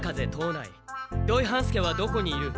内土井半助はどこにいる？